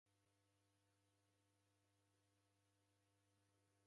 Agha machi ni gha Tuw'eta